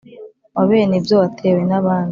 wa bene ibyo watewe n’abandi